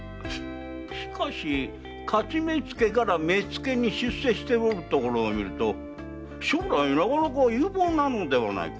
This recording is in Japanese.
しかし徒目付から目付に出世しているところを見ると将来なかなか有望なのではないか？